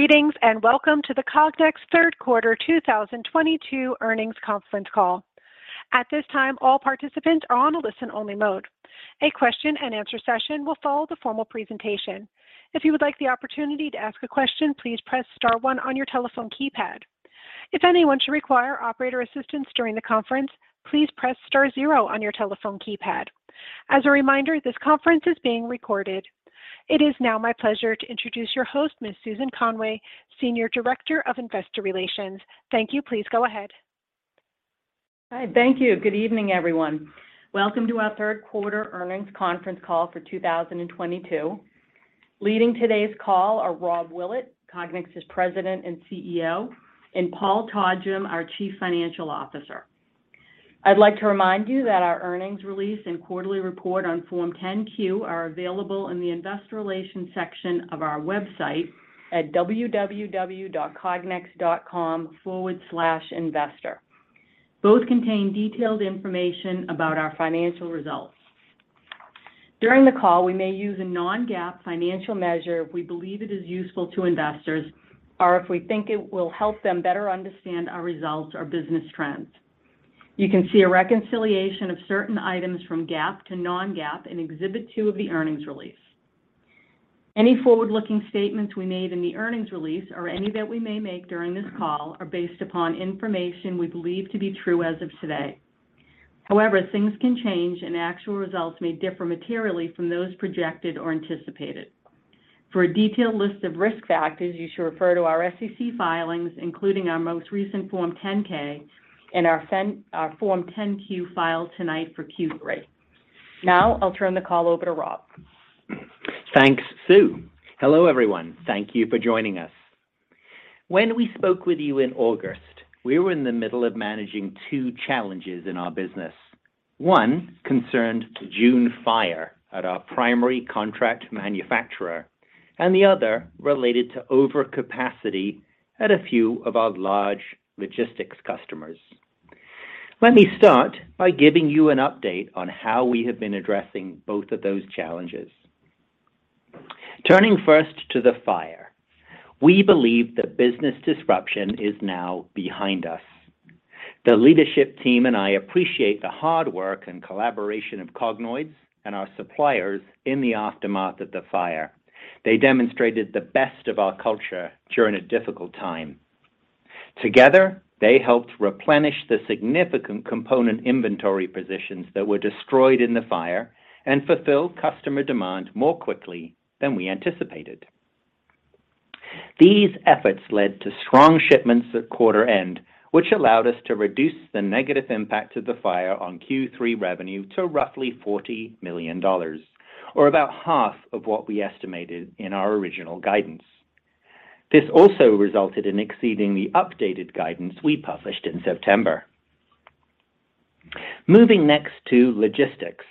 Greetings, and welcome to the Cognex third quarter 2022 earnings conference call. At this time, all participants are on a listen-only mode. A question-and-answer session will follow the formal presentation. If you would like the opportunity to ask a question, please press star one on your telephone keypad. If anyone should require operator assistance during the conference, please press star zero on your telephone keypad. As a reminder, this conference is being recorded. It is now my pleasure to introduce your host, Ms. Susan Conway, Senior Director of Investor Relations. Thank you. Please go ahead. Hi. Thank you. Good evening, everyone. Welcome to our third quarter earnings conference call for 2022. Leading today's call are Rob Willett, Cognex's President and CEO, and Paul Todgham, our Chief Financial Officer. I'd like to remind you that our earnings release and quarterly report on Form 10-Q are available in the Investor Relations section of our website at www.cognex.com/investor. Both contain detailed information about our financial results. During the call, we may use a non-GAAP financial measure if we believe it is useful to investors or if we think it will help them better understand our results or business trends. You can see a reconciliation of certain items from GAAP to non-GAAP in Exhibit 2 of the earnings release. Any forward-looking statements we made in the earnings release or any that we may make during this call are based upon information we believe to be true as of today. However, things can change and actual results may differ materially from those projected or anticipated. For a detailed list of risk factors, you should refer to our SEC filings, including our most recent Form 10-K and our Form 10-Q filed tonight for Q3. Now, I'll turn the call over to Rob. Thanks, Sue. Hello, everyone. Thank you for joining us. When we spoke with you in August, we were in the middle of managing two challenges in our business. One concerned the June fire at our primary contract manufacturer, and the other related to overcapacity at a few of our large logistics customers. Let me start by giving you an update on how we have been addressing both of those challenges. Turning first to the fire, we believe the business disruption is now behind us. The leadership team and I appreciate the hard work and collaboration of Cognoids and our suppliers in the aftermath of the fire. They demonstrated the best of our culture during a difficult time. Together, they helped replenish the significant component inventory positions that were destroyed in the fire and fulfill customer demand more quickly than we anticipated. These efforts led to strong shipments at quarter end, which allowed us to reduce the negative impact of the fire on Q3 revenue to roughly $40 million, or about half of what we estimated in our original guidance. This also resulted in exceeding the updated guidance we published in September. Moving next to logistics.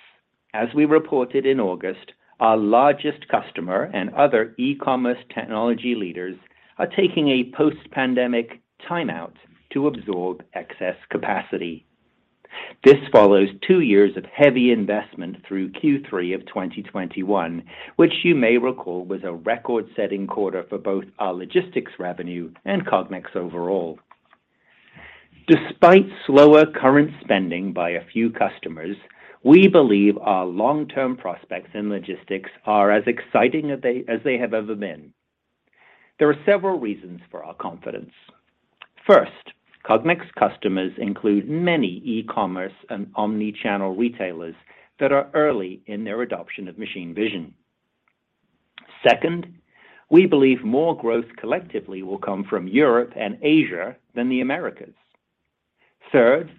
As we reported in August, our largest customer and other e-commerce technology leaders are taking a post-pandemic timeout to absorb excess capacity. This follows two years of heavy investment through Q3 of 2021, which you may recall was a record-setting quarter for both our logistics revenue and Cognex overall. Despite slower current spending by a few customers, we believe our long-term prospects in logistics are as exciting as they have ever been. There are several reasons for our confidence. First, Cognex customers include many e-commerce and omni-channel retailers that are early in their adoption of machine vision. Second, we believe more growth collectively will come from Europe and Asia than the Americas. Third,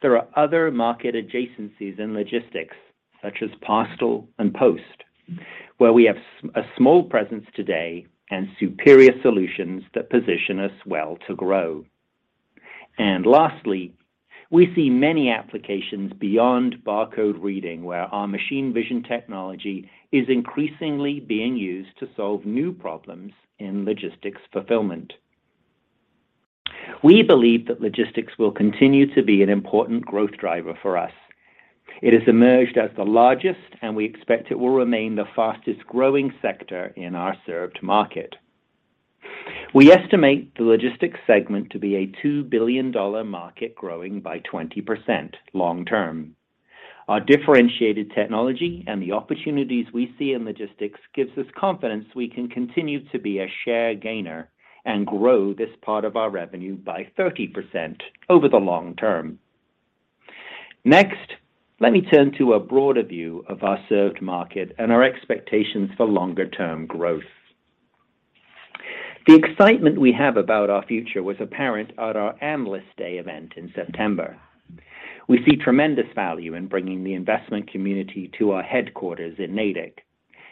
there are other market adjacencies in logistics, such as parcel and post, where we have a small presence today and superior solutions that position us well to grow. Lastly, we see many applications beyond barcode reading where our machine vision technology is increasingly being used to solve new problems in logistics fulfillment. We believe that logistics will continue to be an important growth driver for us. It has emerged as the largest, and we expect it will remain the fastest-growing sector in our served market. We estimate the logistics segment to be a $2 billion market growing by 20% long term. Our differentiated technology and the opportunities we see in logistics gives us confidence we can continue to be a share gainer and grow this part of our revenue by 30% over the long term. Next, let me turn to a broader view of our served market and our expectations for longer-term growth. The excitement we have about our future was apparent at our Analyst Day event in September. We see tremendous value in bringing the investment community to our headquarters in Natick.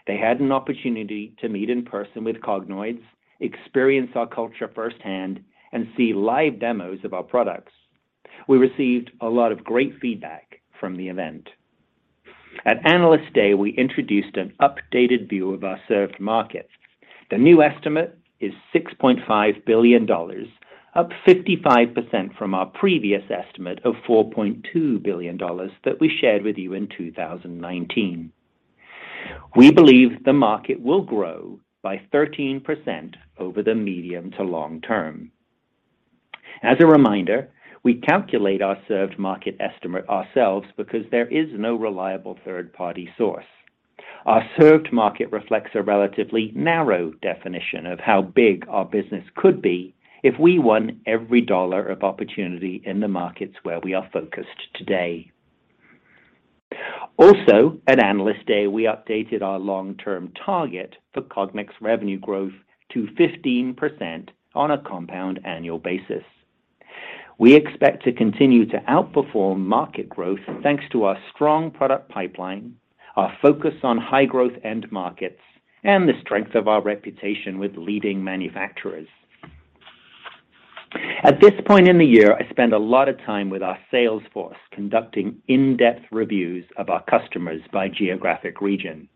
They had an opportunity to meet in person with Cognoids, experience our culture firsthand, and see live demos of our products. We received a lot of great feedback from the event. At Analyst Day, we introduced an updated view of our served market. The new estimate is $6.5 billion, up 55% from our previous estimate of $4.2 billion that we shared with you in 2019. We believe the market will grow by 13% over the medium to long term. As a reminder, we calculate our served market estimate ourselves because there is no reliable third party source. Our served market reflects a relatively narrow definition of how big our business could be if we won every dollar of opportunity in the markets where we are focused today. Also, at Analyst Day, we updated our long-term target for Cognex revenue growth to 15% on a compound annual basis. We expect to continue to outperform market growth thanks to our strong product pipeline, our focus on high growth end markets, and the strength of our reputation with leading manufacturers. At this point in the year, I spend a lot of time with our sales force conducting in-depth reviews of our customers by geographic region.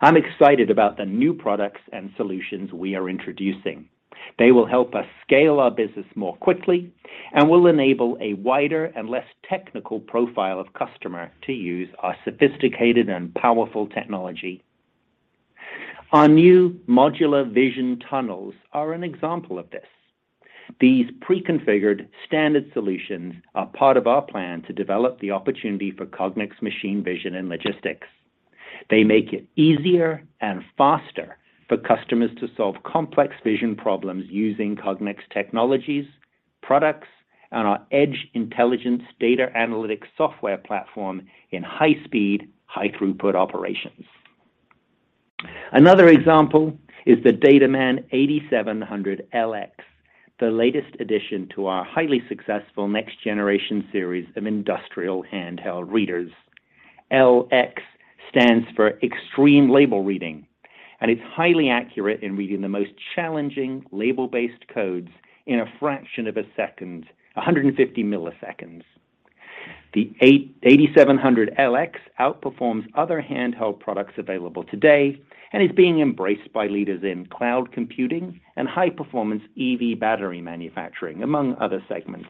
I'm excited about the new products and solutions we are introducing. They will help us scale our business more quickly and will enable a wider and less technical profile of customer to use our sophisticated and powerful technology. Our new Modular Vision Tunnels are an example of this. These pre-configured standard solutions are part of our plan to develop the opportunity for Cognex machine vision and logistics. They make it easier and faster for customers to solve complex vision problems using Cognex technologies, products, and our Edge Intelligence data analytics software platform in high speed, high throughput operations. Another example is the DataMan 8700LX, the latest addition to our highly successful next generation series of industrial handheld readers. LX stands for Extreme Label Reading, and it's highly accurate in reading the most challenging label-based codes in a fraction of a second, 150 ms. The 8700LX outperforms other handheld products available today and is being embraced by leaders in cloud computing and high-performance EV battery manufacturing, among other segments.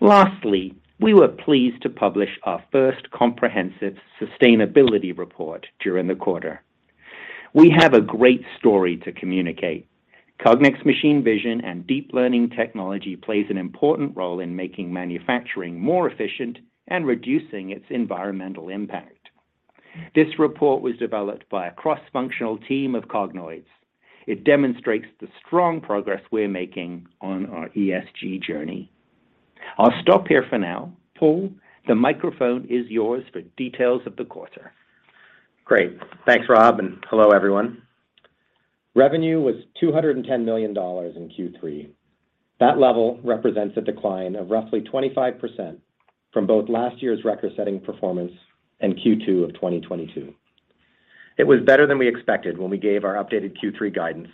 Lastly, we were pleased to publish our first comprehensive sustainability report during the quarter. We have a great story to communicate. Cognex machine vision and deep learning technology plays an important role in making manufacturing more efficient and reducing its environmental impact. This report was developed by a cross-functional team of Cognoids. It demonstrates the strong progress we're making on our ESG journey. I'll stop here for now. Paul, the microphone is yours for details of the quarter. Great. Thanks, Rob, and hello, everyone. Revenue was $210 million in Q3. That level represents a decline of roughly 25% from both last year's record-setting performance and Q2 of 2022. It was better than we expected when we gave our updated Q3 guidance,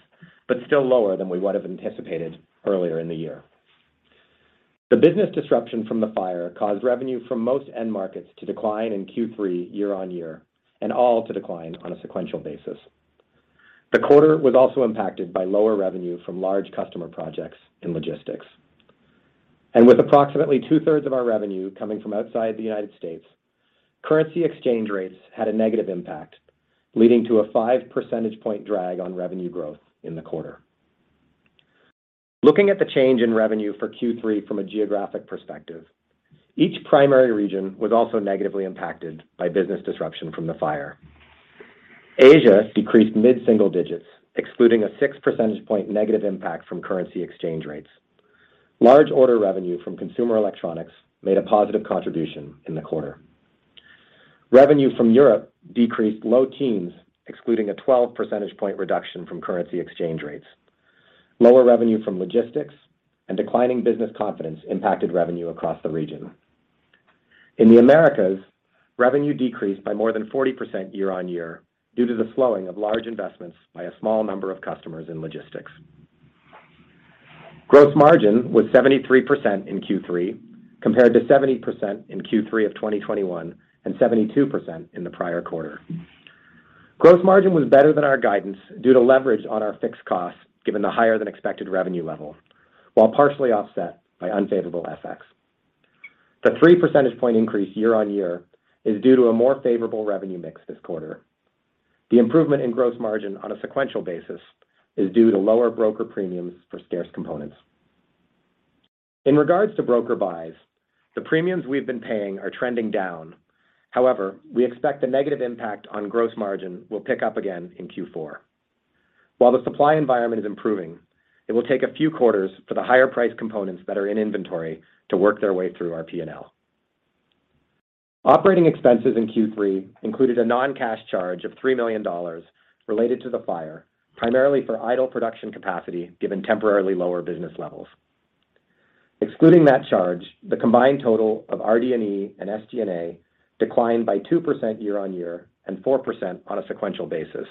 but still lower than we would have anticipated earlier in the year. The business disruption from the fire caused revenue from most end markets to decline in Q3 year-on-year, and all to decline on a sequential basis. The quarter was also impacted by lower revenue from large customer projects in logistics. With approximately 2/3 of our revenue coming from outside the United States, currency exchange rates had a negative impact, leading to a 5 percentage point drag on revenue growth in the quarter. Looking at the change in revenue for Q3 from a geographic perspective, each primary region was also negatively impacted by business disruption from the fire. Asia decreased mid-single digits, excluding a 6 percentage point negative impact from currency exchange rates. Large order revenue from consumer electronics made a positive contribution in the quarter. Revenue from Europe decreased low teens, excluding a 12 percentage point reduction from currency exchange rates. Lower revenue from logistics and declining business confidence impacted revenue across the region. In the Americas, revenue decreased by more than 40% year-on-year due to the slowing of large investments by a small number of customers in logistics. Gross margin was 73% in Q3, compared to 70% in Q3 of 2021 and 72% in the prior quarter. Gross margin was better than our guidance due to leverage on our fixed costs given the higher than expected revenue level, while partially offset by unfavorable FX. The 3 percentage point increase year-on-year is due to a more favorable revenue mix this quarter. The improvement in gross margin on a sequential basis is due to lower broker premiums for scarce components. In regards to broker buys, the premiums we've been paying are trending down. However, we expect the negative impact on gross margin will pick up again in Q4. While the supply environment is improving, it will take a few quarters for the higher priced components that are in inventory to work their way through our P&L. Operating expenses in Q3 included a non-cash charge of $3 million related to the fire, primarily for idle production capacity, given temporarily lower business levels. Excluding that charge, the combined total of RD&E and SG&A declined by 2% year-on-year and 4% on a sequential basis,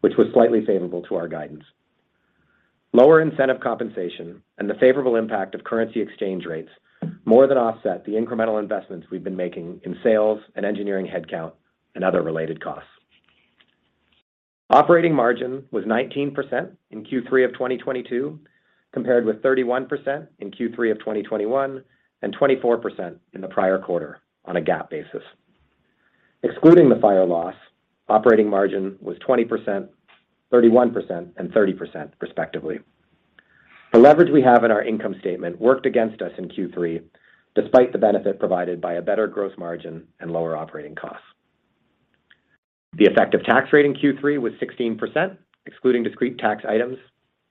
which was slightly favorable to our guidance. Lower incentive compensation and the favorable impact of currency exchange rates more than offset the incremental investments we've been making in sales and engineering head count and other related costs. Operating margin was 19% in Q3 of 2022, compared with 31% in Q3 of 2021, and 24% in the prior quarter on a GAAP basis. Excluding the fire loss, operating margin was 20%, 31%, and 30% respectively. The leverage we have in our income statement worked against us in Q3, despite the benefit provided by a better gross margin and lower operating costs. The effective tax rate in Q3 was 16%, excluding discrete tax items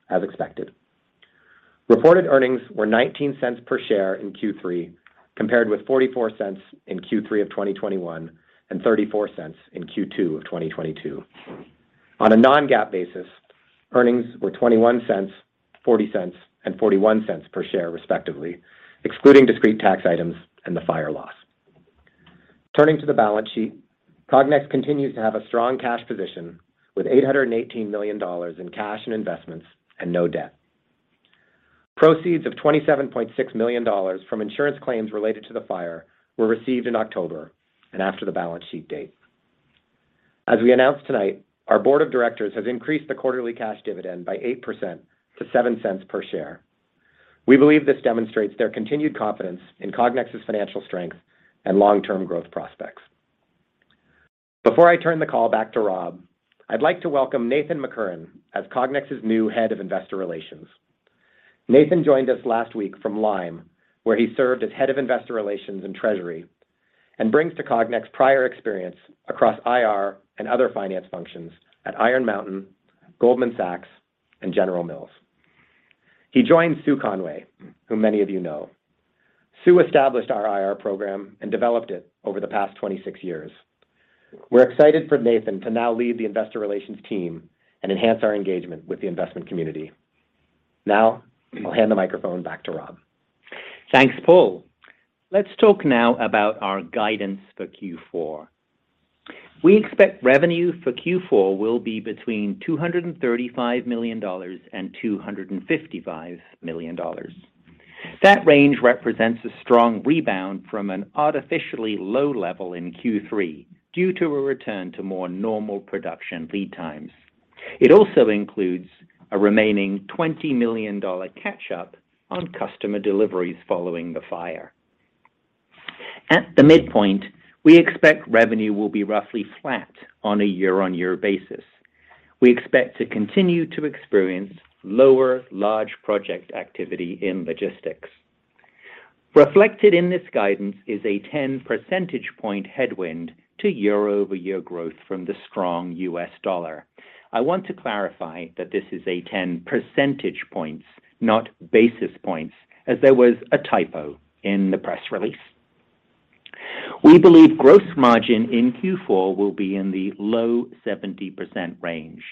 as expected. Reported earnings were $0.19 per share in Q3, compared with $0.44 in Q3 of 2021, and $0.34 in Q2 of 2022. On a non-GAAP basis, earnings were $0.21, $0.40 and $0.41 per share, respectively, excluding discrete tax items and the fire loss. Turning to the balance sheet, Cognex continues to have a strong cash position with $818 million in cash and investments and no debt. Proceeds of $27.6 million from insurance claims related to the fire were received in October and after the balance sheet date. As we announced tonight, our board of directors has increased the quarterly cash dividend by 8% to $0.07 per share. We believe this demonstrates their continued confidence in Cognex's financial strength and long-term growth prospects. Before I turn the call back to Rob, I'd like to welcome Nathan McCurren as Cognex's new Head of Investor Relations. Nathan joined us last week from Lime, where he served as Head of Investor Relations and Treasury, and brings to Cognex prior experience across IR and other finance functions at Iron Mountain, Goldman Sachs, and General Mills. He joins Sue Conway, who many of you know. Susan Conway established our IR program and developed it over the past 26 years. We're excited for Nathan to now lead the Investor Relations team and enhance our engagement with the investment community. Now I'll hand the microphone back to Rob. Thanks, Paul. Let's talk now about our guidance for Q4. We expect revenue for Q4 will be between $235 million and $255 million. That range represents a strong rebound from an artificially low level in Q3 due to a return to more normal production lead times. It also includes a remaining $20 million catch up on customer deliveries following the fire. At the midpoint, we expect revenue will be roughly flat on a year-on-year basis. We expect to continue to experience lower large project activity in logistics. Reflected in this guidance is a 10 percentage point headwind to year-over-year growth from the strong US dollar. I want to clarify that this is 10 percentage points, not basis points, as there was a typo in the press release. We believe gross margin in Q4 will be in the low 70% range.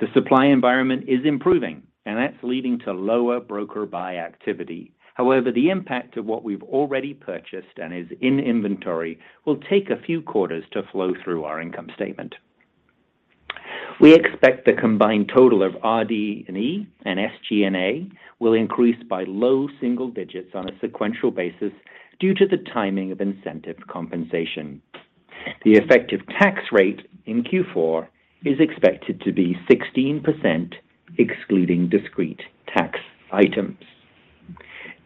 The supply environment is improving, and that's leading to lower broker buy activity. However, the impact of what we've already purchased and is in inventory will take a few quarters to flow through our income statement. We expect the combined total of RD&E and SG&A will increase by low single digits% on a sequential basis due to the timing of incentive compensation. The effective tax rate in Q4 is expected to be 16% excluding discrete tax items.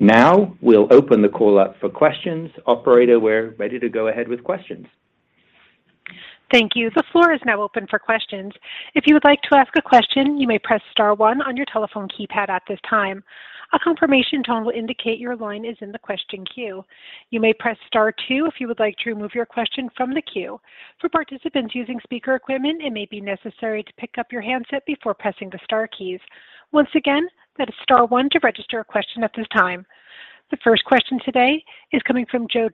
Now we'll open the call up for questions. Operator, we're ready to go ahead with questions. Thank you. The floor is now open for questions. If you would like to ask a question, you may press star one on your telephone keypad at this time. A confirmation tone will indicate your line is in the question queue. You may press star two if you would like to remove your question from the queue. For participants using speaker equipment, it may be necessary to pick up your handset before pressing the star keys. Once again, that is star one to register a question at this time. The first question today is coming from Joe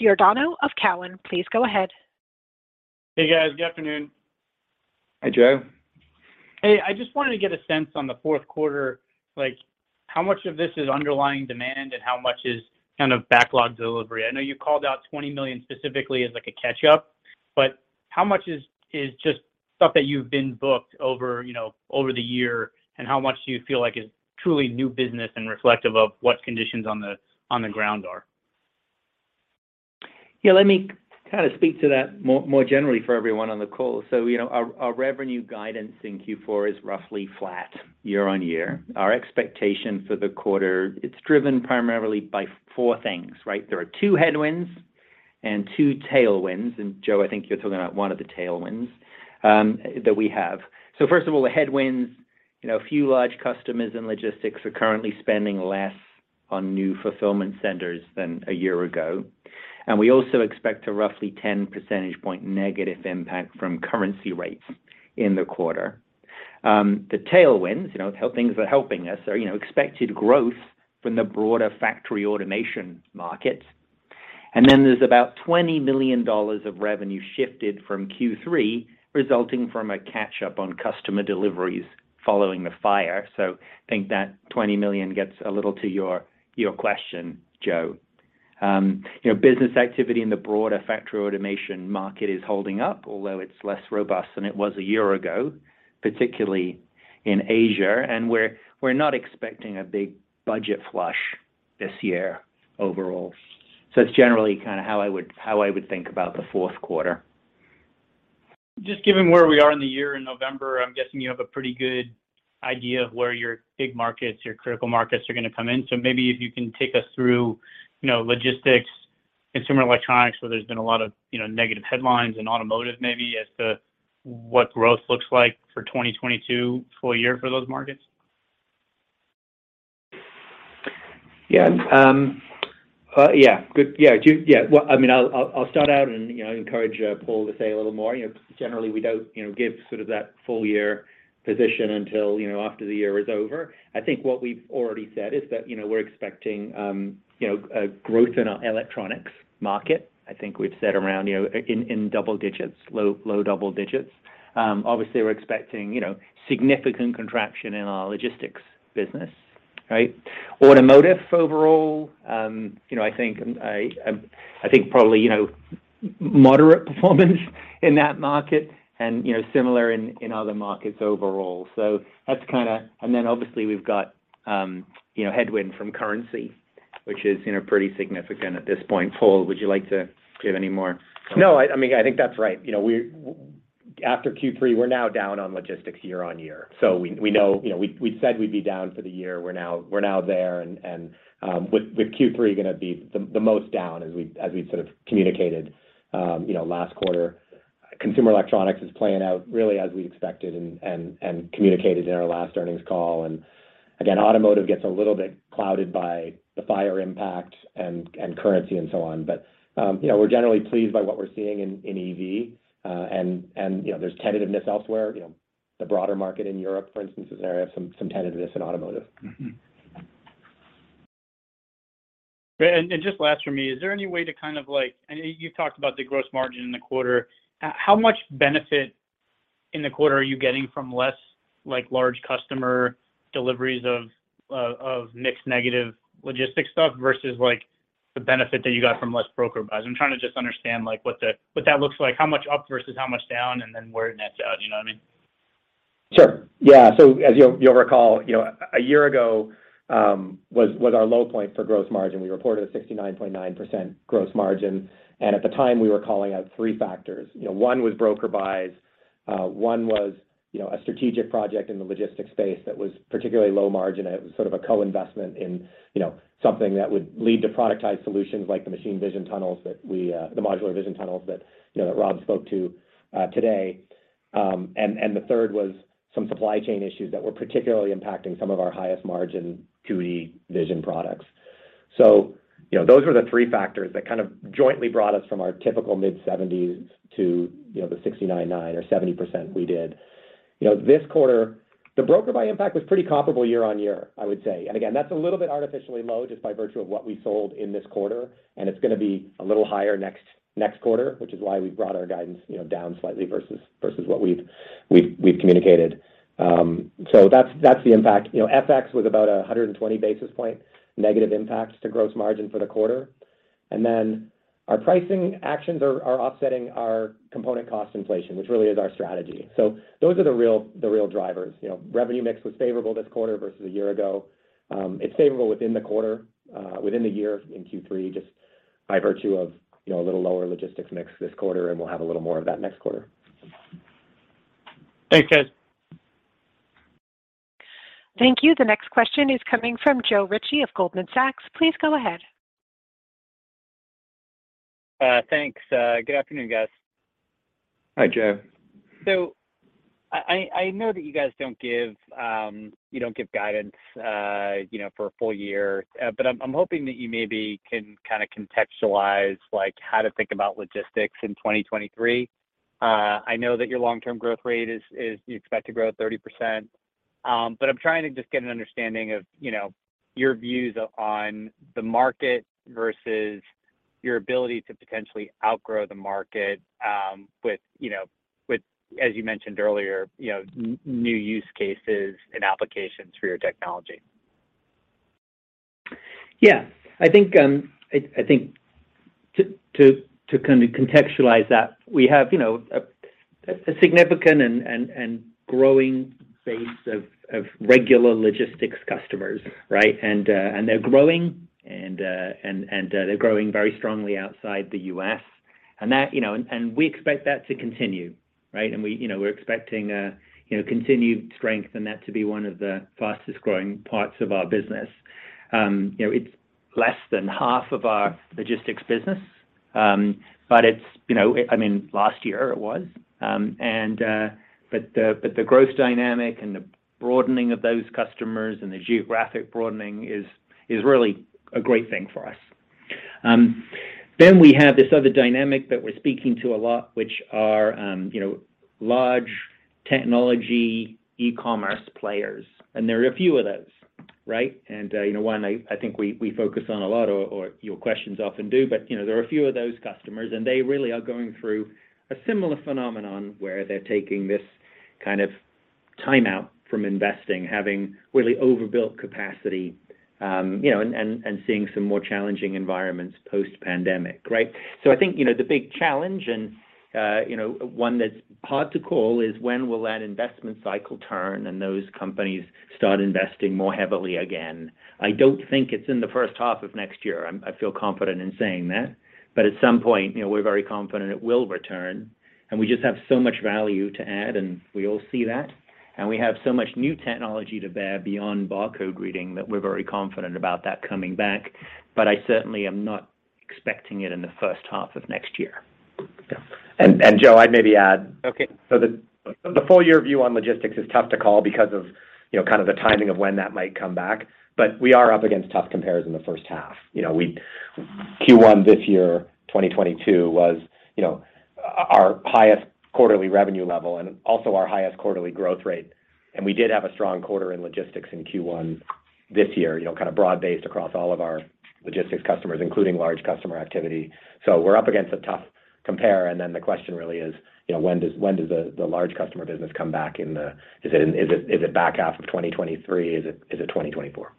Giordano of TD Cowen. Please go ahead. Hey, guys. Good afternoon. Hi, Joe. Hey, I just wanted to get a sense on the fourth quarter, like how much of this is underlying demand and how much is kind of backlog delivery? I know you called out $20 million specifically as like a catch up, but how much is just stuff that you've been booked over, you know, over the year, and how much do you feel like is truly new business and reflective of what conditions on the ground are? Yeah, let me kind of speak to that more generally for everyone on the call. You know, our revenue guidance in Q4 is roughly flat year-on-year. Our expectation for the quarter, it's driven primarily by four things, right? There are two headwinds and two tailwinds, and Joe, I think you're talking about one of the tailwinds that we have. First of all, the headwinds. You know, a few large customers in logistics are currently spending less on new fulfillment centers than a year ago. We also expect a roughly 10 percentage point negative impact from currency rates in the quarter. The tailwinds, you know, how things are helping us are, you know, expected growth from the broader factory automation market. Then there's about $20 million of revenue shifted from Q3 resulting from a catch up on customer deliveries following the fire. I think that $20 million gets a little to your question, Joe. You know, business activity in the broader factory automation market is holding up, although it's less robust than it was a year ago, particularly in Asia, and we're not expecting a big budget flush this year overall. It's generally kind of how I would think about the fourth quarter. Just given where we are in the year in November, I'm guessing you have a pretty good idea of where your big markets, your critical markets are gonna come in. Maybe if you can take us through, you know, logistics, consumer electronics, where there's been a lot of, you know, negative headlines in automotive maybe as to what growth looks like for 2022 full year for those markets? Well, I mean, I'll start out and, you know, encourage Paul to say a little more. You know, generally we don't, you know, give sort of that full year position until, you know, after the year is over. I think what we've already said is that, you know, we're expecting a growth in our electronics market. I think we've said around, you know, in double digits, low double digits. Obviously we're expecting, you know, significant contraction in our logistics business, right? Automotive overall, I think probably, you know, moderate performance in that market and, you know, similar in other markets overall. So that's kinda— Obviously we've got, you know, headwind from currency, which is, you know, pretty significant at this point. Paul, would you like to give any more? No, I mean, I think that's right. You know, after Q3, we're now down on logistics year-on-year. We know. You know, we said we'd be down for the year. We're now there and with Q3 gonna be the most down as we sort of communicated, you know, last quarter. Consumer electronics is playing out really as we expected and communicated in our last earnings call. Again, automotive gets a little bit clouded by the fire impact and currency and so on. You know, we're generally pleased by what we're seeing in EV. You know, there's tentativeness elsewhere. You know, the broader market in Europe, for instance, is an area of some tentativeness in automotive. Just last for me, is there any way to kind of like you've talked about the gross margin in the quarter. How much benefit in the quarter are you getting from less like large customer deliveries of of mixed negative logistics stuff versus like the benefit that you got from less broker buys? I'm trying to just understand like what that looks like, how much up versus how much down, and then where it nets out. You know what I mean? Sure. Yeah. As you'll recall, you know, a year ago was our low point for gross margin. We reported a 69.9% gross margin, and at the time, we were calling out three factors. You know, one was broker buys, one was, you know, a strategic project in the logistics space that was particularly low margin. It was sort of a co-investment in, you know, something that would lead to productized solutions like the Modular Vision Tunnels that, you know, that Rob spoke to today. And the third was some supply chain issues that were particularly impacting some of our highest margin [2D] vision products. You know, those were the three factors that kind of jointly brought us from our typical mid-70s to, you know, the 69.9% or 70% we did. You know, this quarter, the broker buy impact was pretty comparable year-on-year, I would say. And again, that's a little bit artificially low just by virtue of what we sold in this quarter, and it's gonna be a little higher next quarter, which is why we brought our guidance, you know, down slightly versus what we've communicated. That's the impact. You know, FX was about a 120 basis points negative impact to gross margin for the quarter. And then our pricing actions are offsetting our component cost inflation, which really is our strategy. Those are the real drivers. You know, revenue mix was favorable this quarter versus a year ago. It's favorable within the quarter, within the year in Q3, just by virtue of, you know, a little lower logistics mix this quarter, and we'll have a little more of that next quarter. Thanks, guys. Thank you. The next question is coming from Joe Ritchie of Goldman Sachs. Please go ahead. Thanks. Good afternoon, guys. Hi, Joe. I know that you guys don't give guidance, you know, for a full year. I'm hoping that you maybe can kind of contextualize like how to think about logistics in 2023. I know that your long-term growth rate is you expect to grow 30%. I'm trying to just get an understanding of, you know, your views on the market versus your ability to potentially outgrow the market, with, as you mentioned earlier, you know, new use cases and applications for your technology. Yeah. I think to kind of contextualize that, we have, you know, a significant and growing base of regular logistics customers, right? They're growing very strongly outside the U.S. That you know we expect that to continue, right? We you know we're expecting you know continued strength and that to be one of the fastest growing parts of our business. You know it's less than half of our logistics business. But it's you know I mean last year it was. But the growth dynamic and the broadening of those customers and the geographic broadening is really a great thing for us. Then we have this other dynamic that we're speaking to a lot, which are you know large technology e-commerce players, and there are a few of those, right? You know, one I think we focus on a lot or your questions often do. you know, there are a few of those customers, and they really are going through a similar phenomenon where they're taking this kind of time out from investing, having really overbuilt capacity. Seeing some more challenging environments post-pandemic, right? I think the big challenge and one that's hard to call is when will that investment cycle turn and those companies start investing more heavily again? I don't think it's in the first half of next year. I feel confident in saying that. At some point, you know, we're very confident it will return, and we just have so much value to add, and we all see that, and we have so much new technology to bear beyond barcode reading that we're very confident about that coming back. I certainly am not expecting it in the first half of next year. Joe, I'd maybe add. The full year view on logistics is tough to call because of, you know, kind of the timing of when that might come back, but we are up against tough compares in the first half. You know, Q1 this year, 2022, was, you know, our highest quarterly revenue level and also our highest quarterly growth rate, and we did have a strong quarter in logistics in Q1 this year, you know, kind of broad-based across all of our logistics customers, including large customer activity. We're up against a tough compare, and then the question really is, you know, when does the large customer business come back in the— is it back half of 2023? Is it 2024?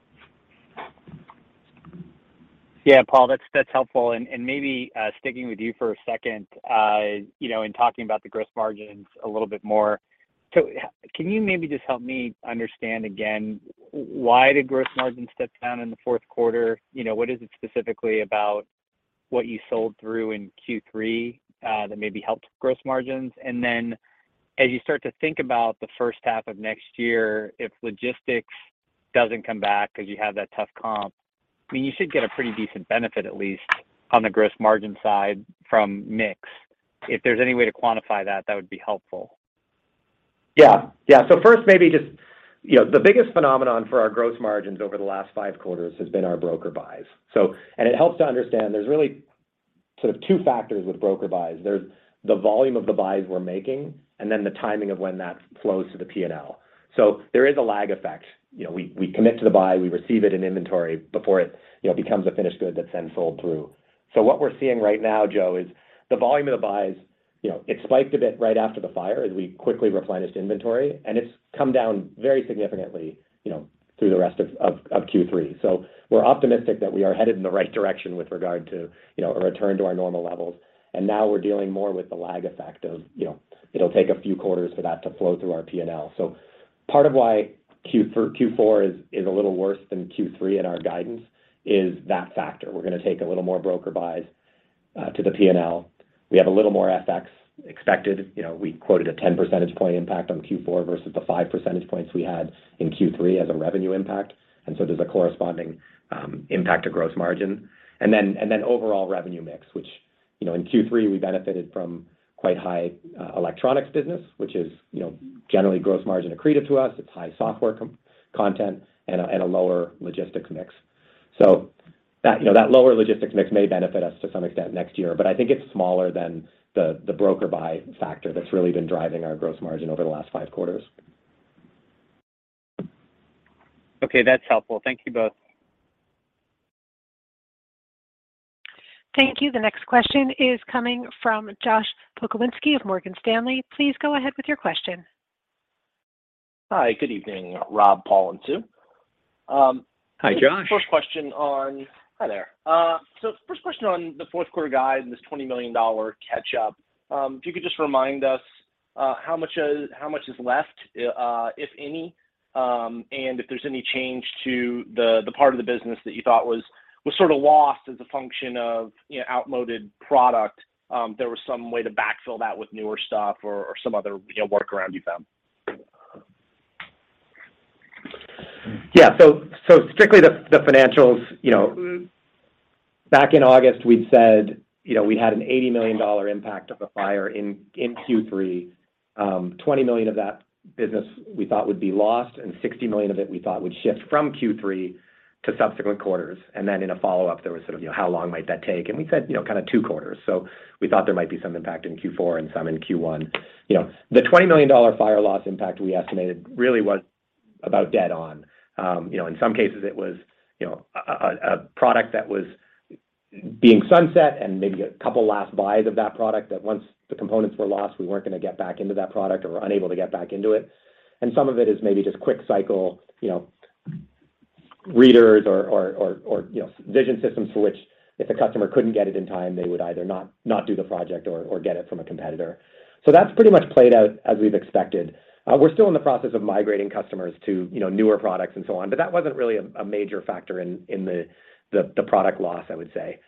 Yeah. Paul, that's helpful. Maybe sticking with you for a second, you know, in talking about the gross margins a little bit more. Can you maybe just help me understand again why did gross margins step down in the fourth quarter? You know, what is it specifically about what you sold through in Q3 that maybe helped gross margins? As you start to think about the first half of next year, if logistics doesn't come back because you have that tough comp, I mean, you should get a pretty decent benefit, at least, on the gross margin side from mix. If there's any way to quantify that would be helpful. Yeah. Yeah. First, maybe just, you know, the biggest phenomenon for our gross margins over the last five quarters has been our broker buys. It helps to understand there's really sort of two factors with broker buys. There's the volume of the buys we're making and then the timing of when that flows to the P&L. There is a lag effect. You know, we commit to the buy, we receive it in inventory before it, you know, becomes a finished good that's then sold through. What we're seeing right now, Joe, is the volume of the buys, you know, it spiked a bit right after the fire as we quickly replenished inventory, and it's come down very significantly, you know, through the rest of Q3. We're optimistic that we are headed in the right direction with regard to, you know, a return to our normal levels, and now we're dealing more with the lag effect of, you know, it'll take a few quarters for that to flow through our P&L. Part of why Q4 is a little worse than Q3 in our guidance is that factor. We're gonna take a little more bookings to the P&L. We have a little more FX expected. You know, we quoted a 10 percentage point impact on Q4 versus the 5 percentage points we had in Q3 as a revenue impact, and so there's a corresponding impact to gross margin. Overall revenue mix, which, you know, in Q3, we benefited from quite high electronics business, which is, you know, generally gross margin accretive to us. It's high software content and a lower logistics mix. That, you know, that lower logistics mix may benefit us to some extent next year, but I think it's smaller than the broker buy factor that's really been driving our gross margin over the last five quarters. Okay, that's helpful. Thank you both. Thank you. The next question is coming from Josh Pokrzywinski of Morgan Stanley. Please go ahead with your question. Hi. Good evening, Rob, Paul, and Sue. Hi, Josh. First question. Hi there. First question on the fourth quarter guide and this $20 million catch-up. If you could just remind us how much is left, if any, and if there's any change to the part of the business that you thought was sort of lost as a function of, you know, outloaded product, there was some way to backfill that with newer stuff or some other, you know, workaround you found? Yeah. Strictly the financials, you know, back in August, we said, you know, we had a $80 million impact of the fire in Q3. $20 million of that business we thought would be lost, and $60 million of it we thought would shift from Q3 to subsequent quarters. In a follow-up, there was sort of, you know, how long might that take? We said, you know, kind of two quarters. We thought there might be some impact in Q4 and some in Q1. You know, the $20 million fire loss impact we estimated really was about dead on. You know, in some cases it was a product that was being sunset and maybe a couple last buys of that product that once the components were lost, we weren't gonna get back into that product or were unable to get back into it. Some of it is maybe just quick cycle readers or vision systems for which if a customer couldn't get it in time, they would either not do the project or get it from a competitor. That's pretty much played out as we've expected. We're still in the process of migrating customers to newer products and so on, but that wasn't really a major factor in the product loss, I would say.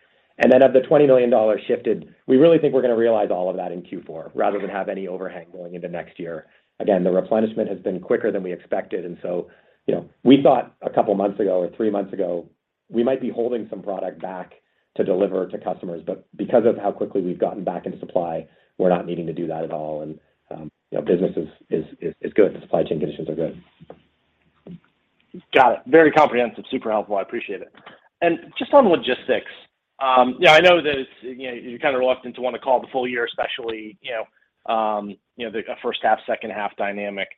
Of the $20 million shifted, we really think we're gonna realize all of that in Q4 rather than have any overhang going into next year. Again, the replenishment has been quicker than we expected. You know, we thought a couple months ago or three months ago, we might be holding some product back to deliver to customers. Because of how quickly we've gotten back into supply, we're not needing to do that at all. You know, business is good. The supply chain conditions are good. Got it. Very comprehensive. Super helpful. I appreciate it. Just on logistics, I know that it's, you know, you're kind of reluctant to want to call the full year, especially, you know, you know, the first half, second half dynamic.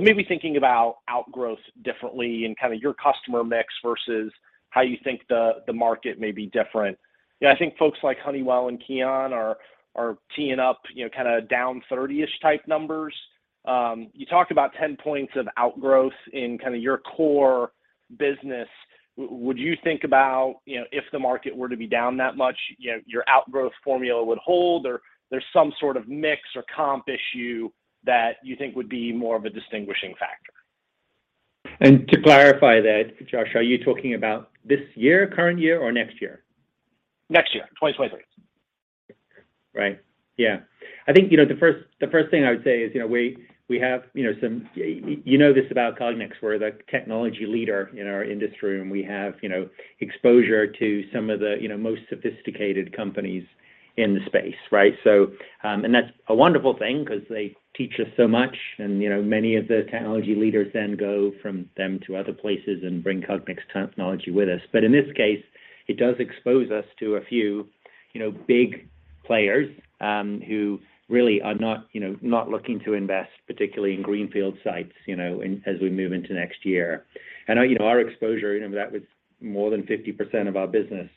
Maybe thinking about outgrowth differently and kind of your customer mix versus how you think the market may be different. You know, I think folks like Honeywell and KION are teeing up, you know, kind of down 30-ish type numbers. You talked about 10 points of outgrowth in kind of your core business. Would you think about, you know, if the market were to be down that much, you know, your outgrowth formula would hold, or there's some sort of mix or comp issue that you think would be more of a distinguishing factor? To clarify that, Josh, are you talking about this year, current year, or next year? Next year, 2023. Right. Yeah. I think, you know, the first thing I would say is, you know, we have. You know this about Cognex. We're the technology leader in our industry, and we have, you know, exposure to some of the, you know, most sophisticated companies in the space, right? That's a wonderful thing 'cause they teach us so much. You know, many of the technology leaders then go from them to other places and bring Cognex technology with us. In this case, it does expose us to a few, you know, big players, who really are not, you know, not looking to invest, particularly in greenfield sites, you know, as we move into next year. You know, our exposure, you know, that was more than 50% of our business,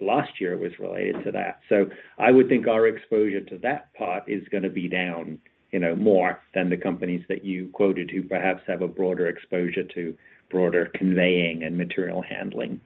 last year was related to that. I would think our exposure to that part is gonna be down, you know, more than the companies that you quoted, who perhaps have a broader exposure to broader conveying and material handling.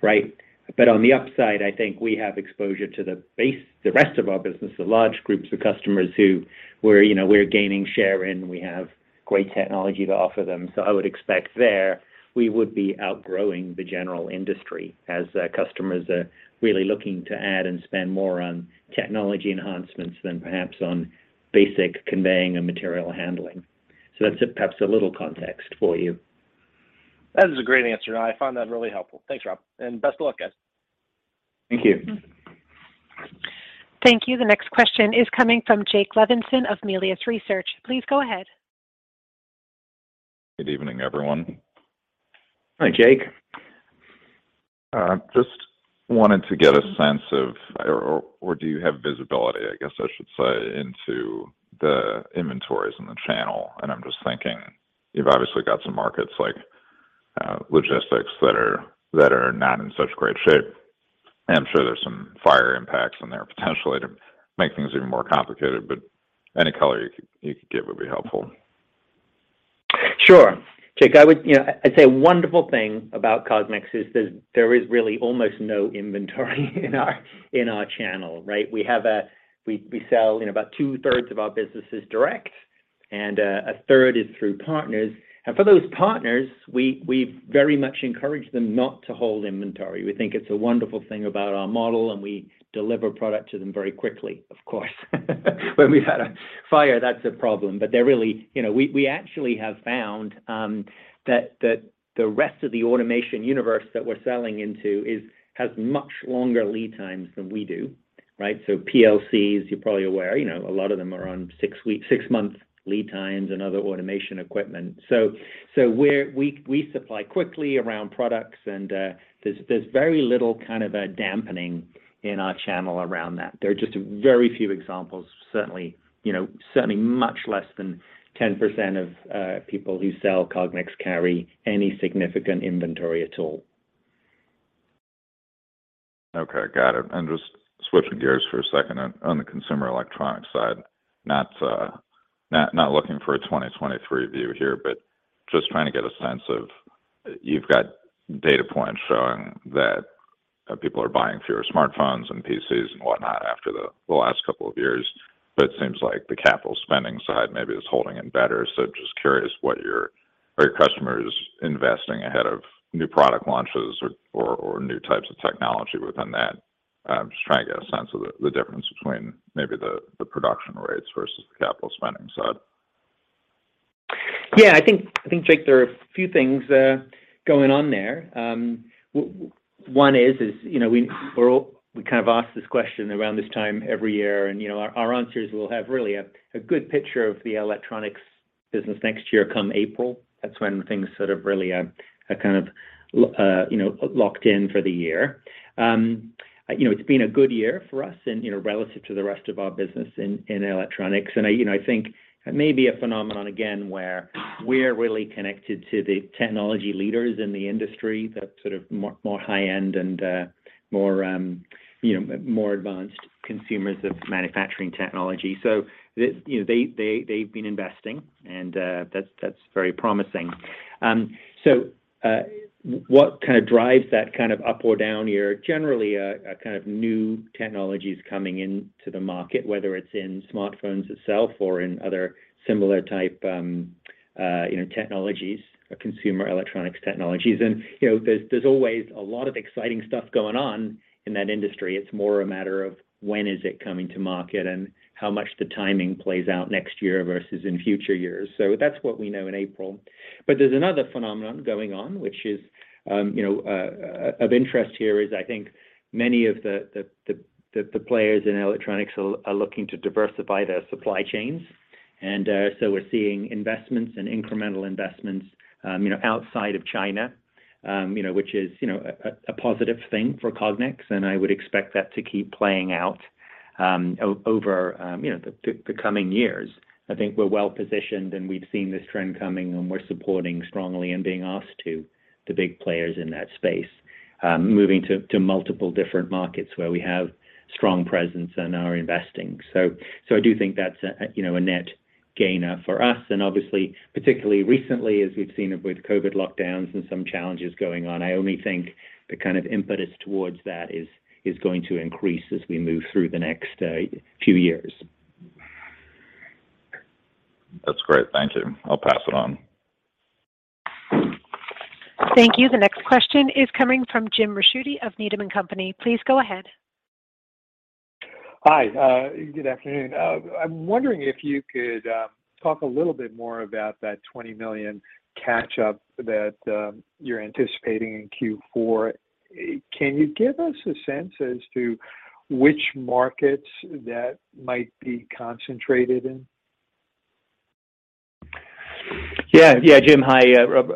Right? On the upside, I think we have exposure to the base, the rest of our business, the large groups of customers who, you know, we're gaining share and we have great technology to offer them. I would expect there we would be outgrowing the general industry as customers are really looking to add and spend more on technology enhancements than perhaps on basic conveying and material handling. That's perhaps a little context for you. That is a great answer, and I find that really helpful. Thanks, Rob, and best of luck, guys. Thank you. Thank you. The next question is coming from Jake Levinson of Melius Research. Please go ahead. Good evening, everyone. Hi, Jake. Just wanted to get a sense of— or do you have visibility, I guess I should say, into the inventories in the channel? I'm just thinking, you've obviously got some markets like logistics that are not in such great shape, and I'm sure there's some fire impacts in there potentially to make things even more complicated, but any color you could give would be helpful. Sure. Jake, you know, I'd say a wonderful thing about Cognex is that there is really almost no inventory in our channel, right? We sell, you know, about 2/3 of our business is direct, and 1/3 is through partners. For those partners, we very much encourage them not to hold inventory. We think it's a wonderful thing about our model, and we deliver product to them very quickly, of course. When we've had a fire, that's a problem. You know, we actually have found that the rest of the automation universe that we're selling into has much longer lead times than we do, right? PLCs, you're probably aware, you know, a lot of them are on six-month lead times and other automation equipment. We supply quick turnaround products, and there's very little kind of a dampening in our channel around that. There are just very few examples, certainly, you know, certainly much less than 10% of people who sell Cognex carry any significant inventory at all. Okay. Got it. Just switching gears for a second on the consumer electronic side. Not looking for a 2023 view here, but just trying to get a sense of you've got data points showing that people are buying fewer smartphones and PCs and whatnot after the last couple of years, but it seems like the capital spending side maybe is holding in better. Just curious what are your customers investing ahead of new product launches or new types of technology within that. I'm just trying to get a sense of the difference between maybe the production rates versus the capital spending side? Yeah, I think, Jake, there are a few things going on there. One is, you know, we kind of ask this question around this time every year, and, you know, our answer is we'll have really a good picture of the electronics business next year come April. That's when things sort of really are kind of, you know, locked in for the year. You know, it's been a good year for us and, you know, relative to the rest of our business in electronics. I, you know, I think it may be a phenomenon again where we're really connected to the technology leaders in the industry that sort of more high-end and more advanced consumers of manufacturing technology. You know, they've been investing and that's very promising. What kind of drives that kind of up or down year, generally, a kind of new technologies coming into the market, whether it's in smartphones itself or in other similar type, you know, technologies or consumer electronics technologies. You know, there's always a lot of exciting stuff going on in that industry. It's more a matter of when is it coming to market and how much the timing plays out next year versus in future years. That's what we know in April. There's another phenomenon going on, which is, you know, of interest here is I think many of the players in electronics are looking to diversify their supply chains. We're seeing investments and incremental investments, you know, outside of China, you know, which is, you know, a positive thing for Cognex, and I would expect that to keep playing out over, you know, the coming years. I think we're well-positioned, and we've seen this trend coming, and we're supporting strongly and being asked to the big players in that space. Moving to multiple different markets where we have strong presence and are investing. I do think that's a, you know, a net gainer for us. Obviously, particularly recently as we've seen with COVID lockdowns and some challenges going on, I only think the kind of impetus towards that is going to increase as we move through the next few years. That's great. Thank you. I'll pass it on. Thank you. The next question is coming from Jim Ricchiuti of Needham & Company. Please go ahead. Hi. Good afternoon. I'm wondering if you could talk a little bit more about that $20 million catch-up that you're anticipating in Q4. Can you give us a sense as to which markets that might be concentrated in? Yeah. Yeah, Jim. Hi.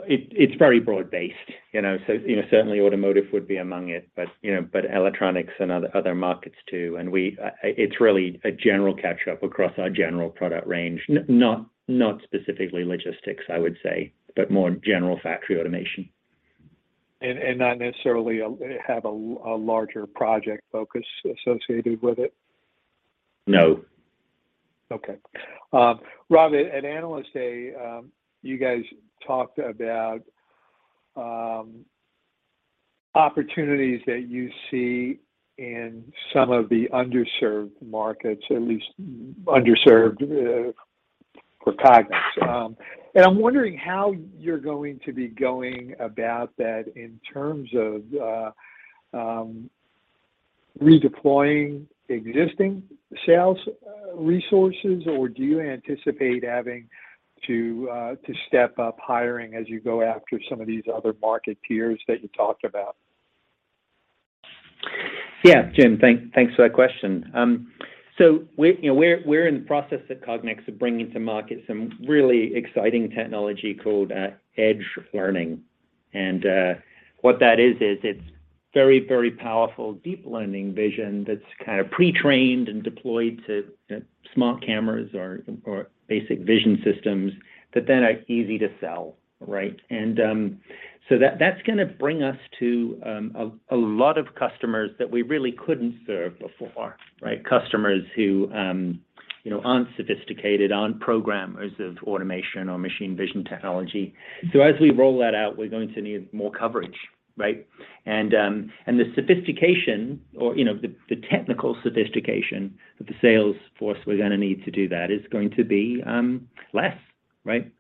It's very broad-based, you know. You know, certainly automotive would be among it, but, you know, but electronics and other markets too. It's really a general catch-up across our general product range. Not specifically logistics, I would say, but more general factory automation. Not necessarily have a larger project focus associated with it? No. Okay. Rob, at Analyst Day, you guys talked about opportunities that you see in some of the underserved markets, at least underserved for Cognex. I'm wondering how you're going to be going about that in terms of redeploying existing sales resources, or do you anticipate having to step up hiring as you go after some of these other market tiers that you talked about? Yeah. Jim, thanks for that question. You know, we're in the process at Cognex of bringing to market some really exciting technology called Edge Learning. What that is it's very, very powerful deep learning vision that's kind of pre-trained and deployed to smart cameras or basic vision systems that then are easy to sell, right? That's gonna bring us to a lot of customers that we really couldn't serve before, right? Customers who, you know, aren't sophisticated, aren't programmers of automation or machine vision technology. As we roll that out, we're going to need more coverage, right? The sophistication or, you know, the technical sophistication of the sales force we're gonna need to do that is going to be less, right?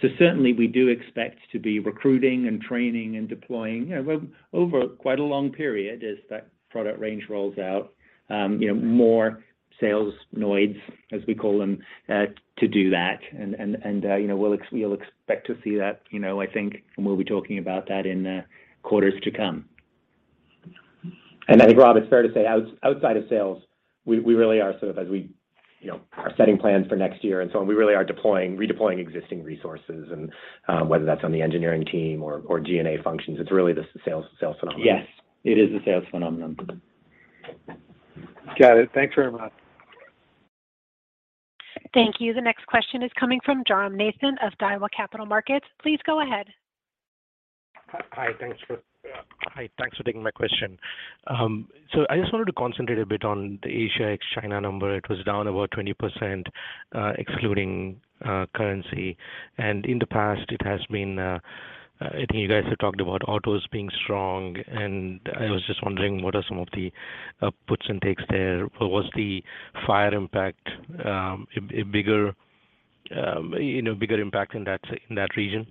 Certainly we do expect to be recruiting and training and deploying, you know, well, over quite a long period as that product range rolls out, you know, more Salesnoids, as we call them, to do that. You know, we'll expect to see that, you know, I think, and we'll be talking about that in quarters to come. I think, Rob, it's fair to say outside of sales, we really are sort of as we, you know, are setting plans for next year and so on, we really are deploying, redeploying existing resources and, whether that's on the engineering team or G&A functions, it's really the sales phenomenon. Yes, it is a sales phenomenon. Got it. Thanks very much. Thank you. The next question is coming from Jairam Nathan of Daiwa Capital Markets. Please go ahead. Hi. Thanks for taking my question. So I just wanted to concentrate a bit on the Asia, ex China number. It was down about 20%, excluding currency. In the past, it has been, I think you guys have talked about autos being strong, and I was just wondering what are some of the puts and takes there? What was the fire impact? A bigger, you know, impact in that region?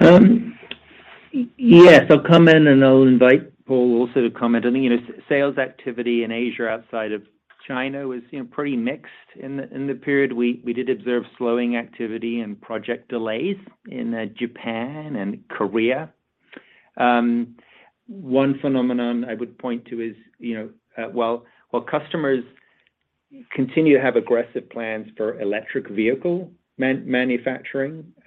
Yes. I'll come in, and I'll invite Paul also to comment. I think, you know, sales activity in Asia outside of China was, you know, pretty mixed in the period. We did observe slowing activity and project delays in Japan and Korea. One phenomenon I would point to is, you know, while customers continue to have aggressive plans for electric vehicle manufacturing, you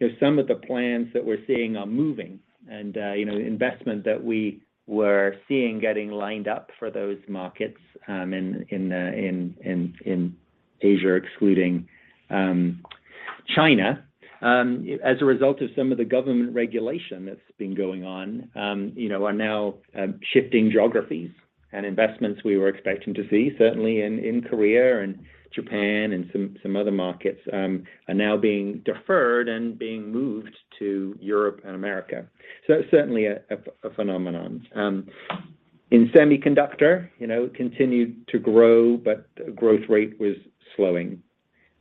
know, some of the plans that we're seeing are moving and, you know, investment that we were seeing getting lined up for those markets, in Asia, excluding China, as a result of some of the government regulation that's been going on, you know, are now shifting geographies and investments we were expecting to see certainly in Korea and Japan and some other markets, are now being deferred and being moved to Europe and America. Certainly a phenomenon. In semiconductor, you know, continued to grow, but growth rate was slowing.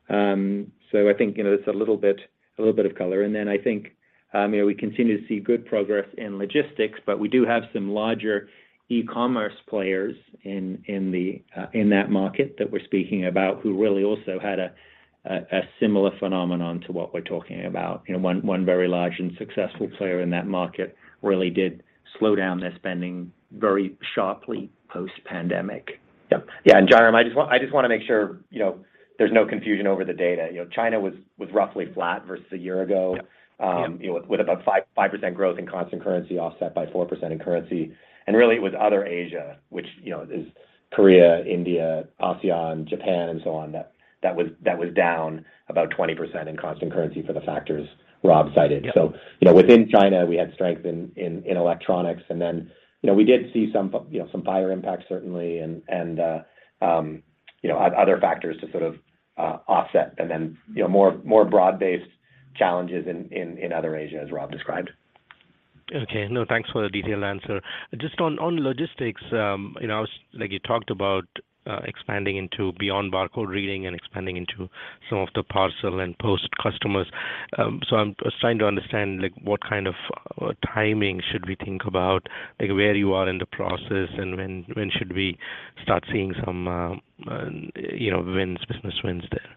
I think, you know, that's a little bit of color. I think, you know, we continue to see good progress in logistics, but we do have some larger e-commerce players in that market that we're speaking about, who really also had a similar phenomenon to what we're talking about. You know, one very large and successful player in that market really did slow down their spending very sharply post-pandemic. Yeah, Jairam, I just want to make sure, you know, there's no confusion over the data. You know, China was roughly flat versus a year ago. You know, with about 5% growth in constant currency offset by 4% in currency. Really it was other Asia, which, you know, is Korea, India, ASEAN, Japan and so on, that was down about 20% in constant currency for the factors Rob cited. You know, within China, we had strength in electronics, and then, you know, we did see some fire impact certainly and other factors to sort of offset and then, you know, more broad-based challenges in other Asia, as Rob described. Okay. No, thanks for the detailed answer. Just on logistics, you know, like you talked about, expanding beyond barcode reading and expanding into some of the parcel and post customers. I'm trying to understand, like, what kind of timing should we think about, like, where you are in the process, and when should we start seeing some, you know, wins, business wins there?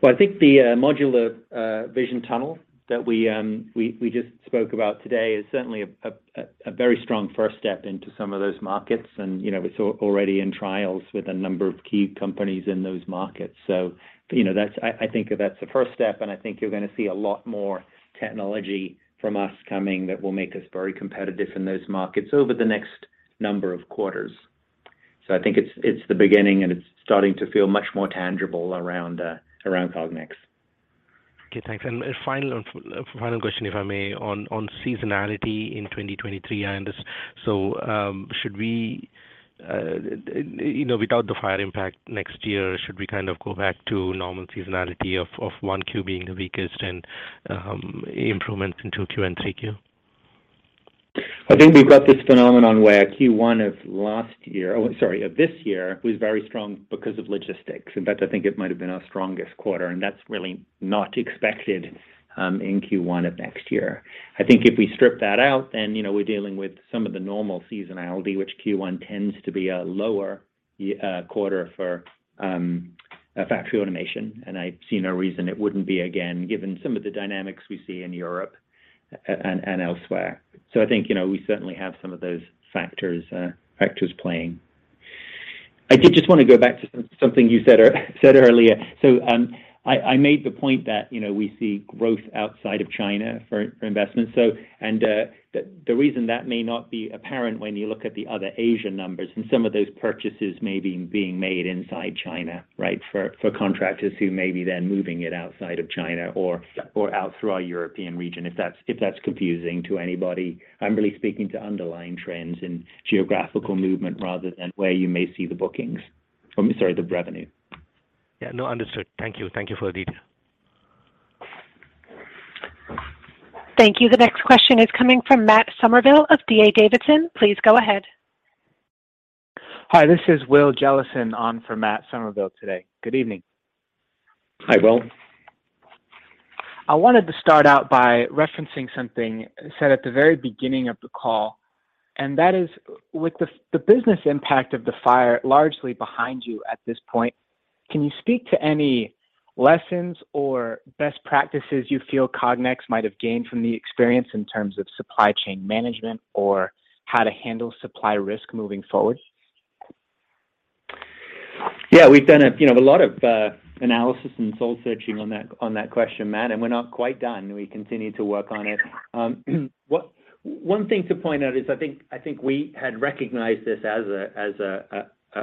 Well, I think the Modular Vision Tunnel that we just spoke about today is certainly a very strong first step into some of those markets. You know, it's already in trials with a number of key companies in those markets. You know, that's I think that's the first step, and I think you're gonna see a lot more technology from us coming that will make us very competitive in those markets over the next number of quarters. I think it's the beginning, and it's starting to feel much more tangible around Cognex. Okay, thanks. Final question, if I may, on seasonality in 2023. Without the fire impact next year, should we kind of go back to normal seasonality of 1Q being the weakest and improvements in 2Q and 3Q? I think we've got this phenomenon where Q1 of this year was very strong because of logistics. In fact, I think it might have been our strongest quarter, and that's really not expected in Q1 of next year. I think if we strip that out, you know, we're dealing with some of the normal seasonality, which Q1 tends to be a lower quarter for factory automation, and I see no reason it wouldn't be again, given some of the dynamics we see in Europe and elsewhere. I think, you know, we certainly have some of those factors playing. I did just want to go back to something you said earlier. I made the point that, you know, we see growth outside of China for investment. The reason that may not be apparent when you look at the other Asia numbers and some of those purchases may be being made inside China, right? For contractors who may be then moving it outside of China or out through our European region, if that's confusing to anybody. I'm really speaking to underlying trends in geographical movement rather than where you may see the bookings— sorry, the revenue. Yeah, no, understood. Thank you. Thank you for the detail. Thank you. The next question is coming from Matt Summerville of D.A. Davidson. Please go ahead. Hi, this is Will Jellison on for Matt Summerville today. Good evening. Hi, Will. I wanted to start out by referencing something said at the very beginning of the call, and that is, with the business impact of the fire largely behind you at this point, can you speak to any lessons or best practices you feel Cognex might have gained from the experience in terms of supply chain management or how to handle supply risk moving forward? Yeah. We've done, you know, a lot of analysis and soul searching on that, on that question, Matt, and we're not quite done. We continue to work on it. One thing to point out is I think we had recognized this as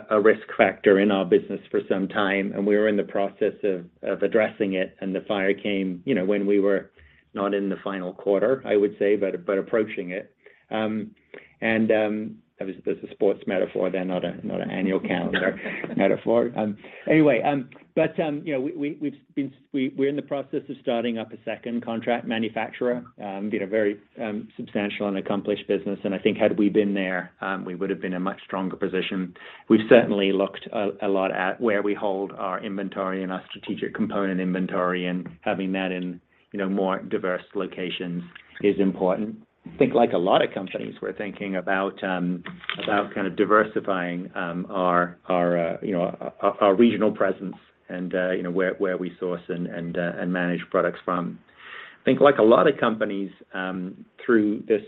a risk factor in our business for some time, and we were in the process of addressing it, and the fire came, you know, when we were not in the final quarter, I would say, but approaching it. Obviously this is a sports metaphor there, not an annual calendar metaphor. Anyway, you know, we're in the process of starting up a second contract manufacturer, you know, very substantial and accomplished business. I think had we been there, we would have been in a much stronger position. We've certainly looked a lot at where we hold our inventory and our strategic component inventory, and having that in you know more diverse locations is important. I think like a lot of companies, we're thinking about kind of diversifying our you know our regional presence and you know where we source and manage products from. I think like a lot of companies, through this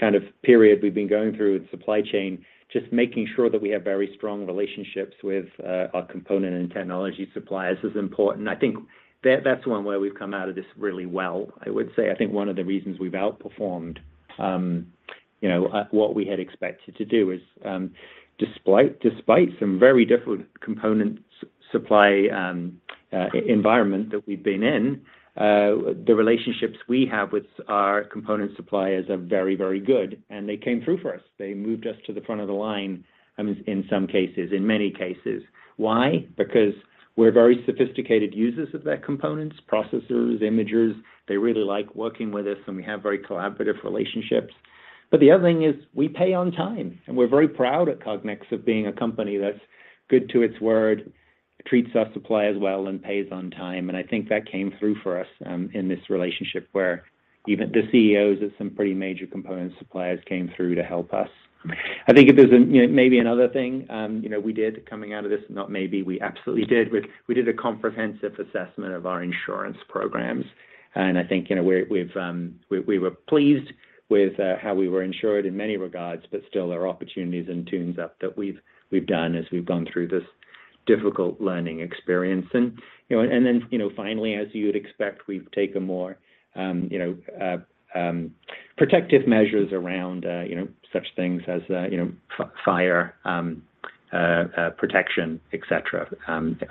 kind of period we've been going through with supply chain, just making sure that we have very strong relationships with our component and technology suppliers is important. I think that's one way we've come out of this really well, I would say. I think one of the reasons we've outperformed, you know, what we had expected to do is, despite some very difficult component supply environment that we've been in, the relationships we have with our component suppliers are very, very good, and they came through for us. They moved us to the front of the line, in some cases, in many cases. Why? Because we're very sophisticated users of their components, processors, imagers. They really like working with us, and we have very collaborative relationships. But the other thing is we pay on time, and we're very proud at Cognex of being a company that's good to its word, treats our suppliers well, and pays on time. I think that came through for us in this relationship where even the CEOs of some pretty major component suppliers came through to help us. I think if there's, you know, maybe another thing, you know, we did coming out of this, not maybe, we absolutely did a comprehensive assessment of our insurance programs. I think, you know, we were pleased with how we were insured in many regards, but still there are opportunities and tune-ups that we've done as we've gone through this difficult learning experience. You know, and then, you know, finally, as you would expect, we've taken more, you know, protective measures around, you know, such things as, you know, fire protection, et cetera,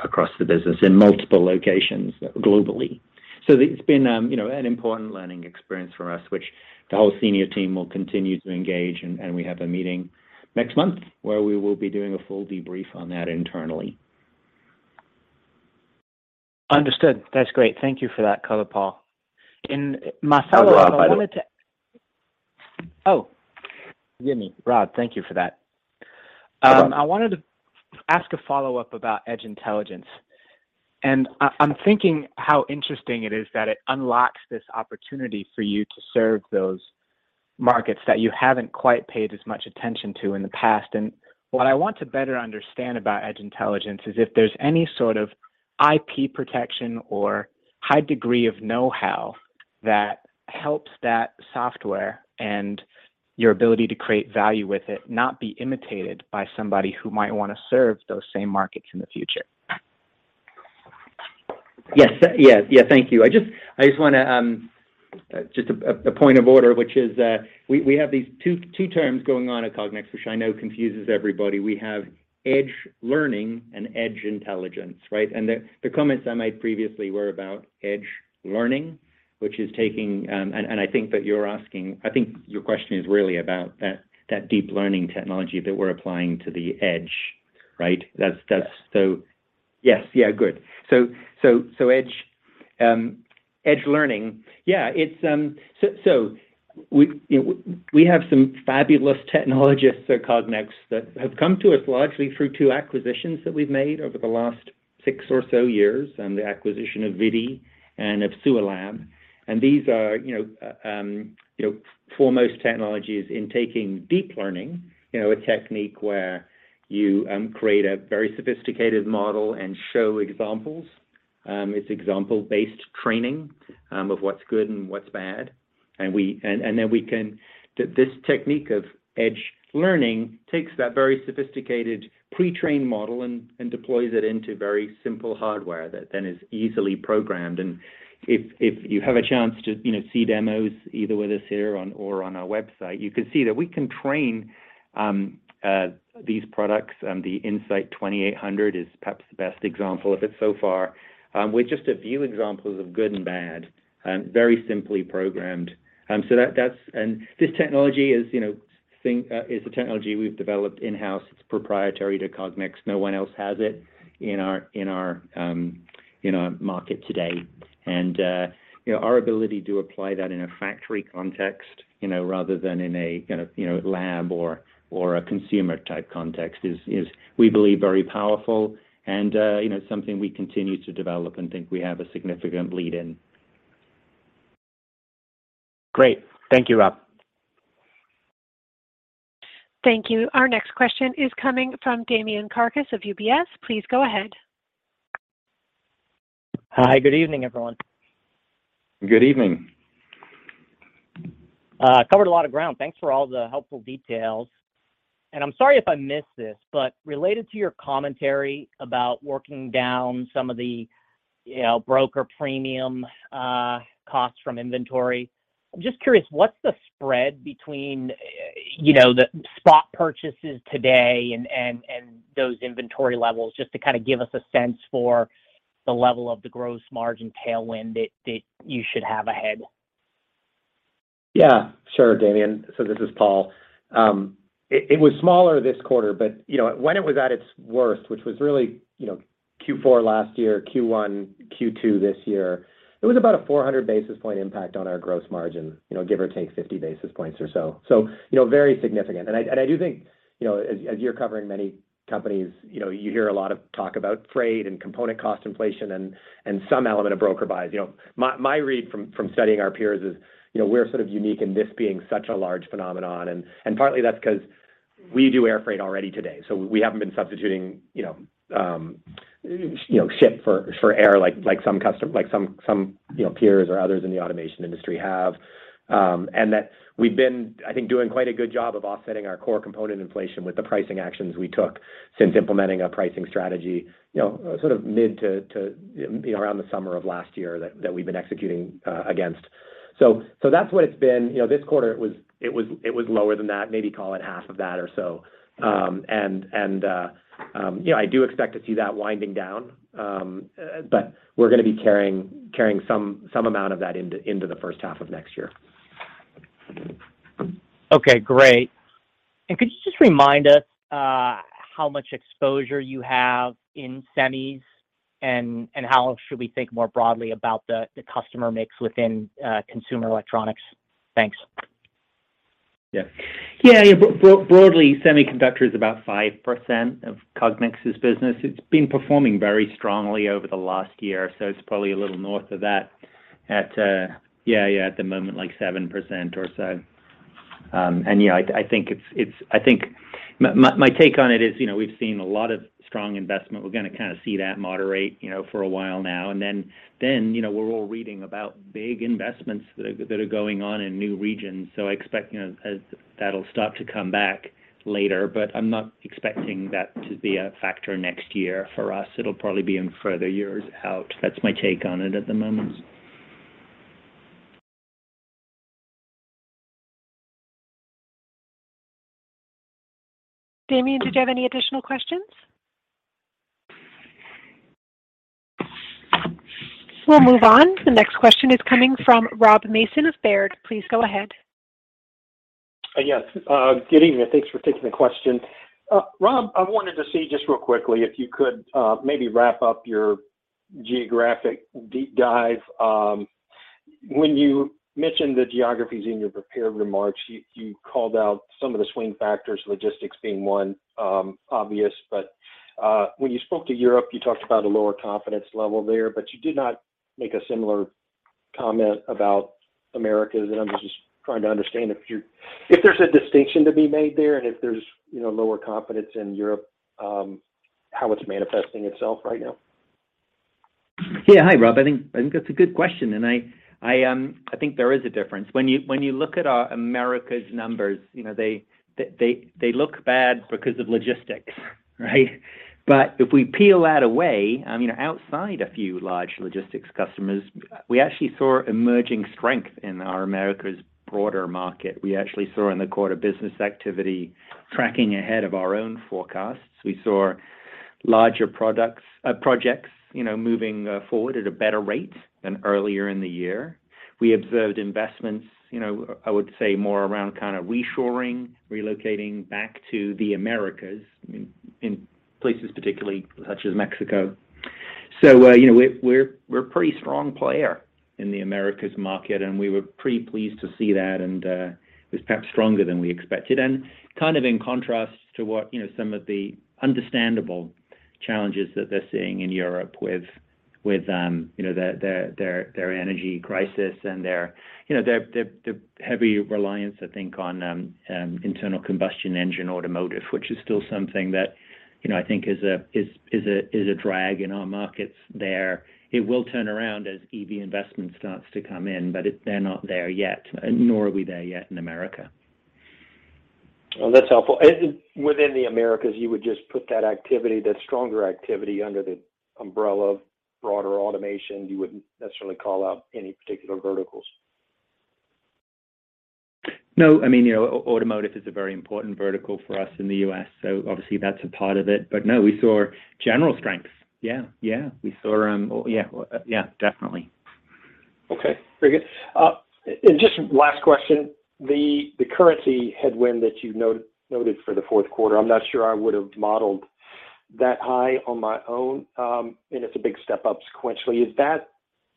across the business in multiple locations globally. It's been, you know, an important learning experience for us, which the whole senior team will continue to engage. We have a meeting next month where we will be doing a full debrief on that internally. Understood. That's great. Thank you for that color, Paul. That was Rob, by the way. Oh, forgive me, Rob. Thank you for that. I wanted to ask a follow-up about Edge Intelligence. I'm thinking how interesting it is that it unlocks this opportunity for you to serve those markets that you haven't quite paid as much attention to in the past. What I want to better understand about Edge Intelligence is if there's any sort of IP protection or high degree of know-how that helps that software and your ability to create value with it, not be imitated by somebody who might wanna serve those same markets in the future? Yeah, thank you. I just wanna just a point of order, which is that we have these two terms going on at Cognex, which I know confuses everybody. We have Edge Learning and Edge Intelligence, right? The comments I made previously were about Edge Learning, which is taking. I think your question is really about that deep learning technology that we're applying to the edge, right? That's— Yes. Yes. Edge Learning. We have some fabulous technologists at Cognex that have come to us largely through two acquisitions that we've made over the last six or so years, the acquisition of ViDi and of SUALAB. These are, you know, foremost technologies in taking deep learning, you know, a technique where you create a very sophisticated model and show examples. It's example-based training of what's good and what's bad. This technique of Edge Learning takes that very sophisticated pre-trained model and deploys it into very simple hardware that then is easily programmed. If you have a chance to, you know, see demos, either with us here or on our website, you can see that we can train these products, the In-Sight 2800 is perhaps the best example of it so far, with just a few examples of good and bad, very simply programmed. This technology is, you know, a technology we've developed in-house. It's proprietary to Cognex. No one else has it in our market today. You know, our ability to apply that in a factory context, you know, rather than in a kind of, you know, lab or a consumer-type context is, we believe, very powerful and, you know, something we continue to develop and think we have a significant lead in. Great. Thank you, Rob. Thank you. Our next question is coming from Damian Karas of UBS. Please go ahead. Hi. Good evening, everyone. Good evening. Covered a lot of ground. Thanks for all the helpful details. I'm sorry if I missed this, but related to your commentary about working down some of the, you know, broker premium costs from inventory, I'm just curious, what's the spread between, you know, the spot purchases today and those inventory levels, just to kinda give us a sense for the level of the gross margin tailwind that you should have ahead? Yeah. Sure, Damian. This is Paul. It was smaller this quarter, but, you know, when it was at its worst, which was really, you know, Q4 last year, Q1, Q2 this year, it was about a 400 basis point impact on our gross margin, you know, give or take 50 basis points or so. You know, very significant. I do think, you know, as you're covering many companies, you know, you hear a lot of talk about freight and component cost inflation and some element of broker buys. You know, my read from studying our peers is, you know, we're sort of unique in this being such a large phenomenon. Partly that's 'cause we do air freight already today, so we haven't been substituting, you know, ship for air like some peers or others in the automation industry have. That we've been, I think, doing quite a good job of offsetting our core component inflation with the pricing actions we took since implementing a pricing strategy, you know, sort of mid to around the summer of last year that we've been executing against. That's what it's been. You know, this quarter it was lower than that. Maybe call it half of that or so. You know, I do expect to see that winding down. We're gonna be carrying some amount of that into the first half of next year. Okay. Great. Could you just remind us how much exposure you have in semis and how should we think more broadly about the customer mix within consumer electronics? Thanks. Yeah. Broadly, semiconductor is about 5% of Cognex's business. It's been performing very strongly over the last year, so it's probably a little north of that at the moment, like 7% or so. I think— my take on it is, you know, we've seen a lot of strong investment. We're gonna kinda see that moderate, you know, for a while now. Then, you know, we're all reading about big investments that are going on in new regions. I expect, you know, that'll start to come back later, but I'm not expecting that to be a factor next year for us. It'll probably be in further years out. That's my take on it at the moment. Damian, did you have any additional questions? We'll move on. The next question is coming from Rob Mason of Baird. Please go ahead. Yes. Good evening. Thanks for taking the question. Rob, I wanted to see just real quickly if you could, maybe wrap up your geographic deep dive. When you mentioned the geographies in your prepared remarks, you called out some of the swing factors, logistics being one, obvious. When you spoke to Europe, you talked about a lower confidence level there, but you did not make a similar comment about Americas. I'm just trying to understand if there's a distinction to be made there, and if there's, you know, lower confidence in Europe, how it's manifesting itself right now? Yeah. Hi, Rob. I think that's a good question, and I think there is a difference. When you look at Americas numbers, you know, they look bad because of logistics, right? If we peel that away, I mean, outside a few large logistics customers, we actually saw emerging strength in our Americas broader market. We actually saw in the quarter business activity tracking ahead of our own forecasts. We saw larger products— projects, you know, moving forward at a better rate than earlier in the year. We observed investments, you know. I would say more around kind of reshoring, relocating back to the Americas in places particularly such as Mexico. You know, we're a pretty strong player in the Americas market, and we were pretty pleased to see that. It was perhaps stronger than we expected. Kind of in contrast to what, you know, some of the understandable challenges that they're seeing in Europe with, you know, their energy crisis and their, you know, heavy reliance, I think, on internal combustion engine automotive, which is still something that, you know, I think is a drag in our markets there. It will turn around as EV investment starts to come in, but they're not there yet, nor are we there yet in America. Well, that's helpful. Within the Americas, you would just put that activity, that stronger activity under the umbrella of broader automation. You wouldn't necessarily call out any particular verticals. No. I mean, you know, automotive is a very important vertical for us in the U.S., so obviously that's a part of it. But no, we saw general strengths. Yeah. Yeah, we saw. Yeah. Yeah, definitely. Okay, very good. Just last question. The currency headwind that you noted for the fourth quarter, I'm not sure I would have modeled that high on my own, and it's a big step up sequentially. Is that?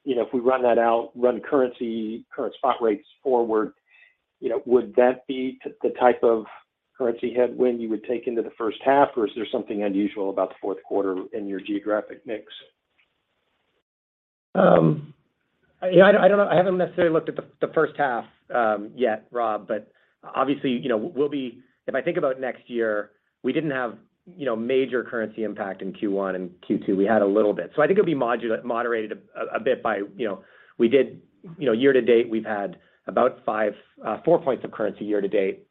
You know, if we run that out, current spot rates forward, you know, would that be the type of currency headwind you would take into the first half, or is there something unusual about the fourth quarter in your geographic mix? Yeah, I don't know. I haven't necessarily looked at the first half yet, Rob. If I think about next year, we didn't have major currency impact in Q1 and Q2. We had a little bit. So I think it'll be moderated a bit by, you know. You know, year-to-date, we've had about 4 points of currency year-to-date,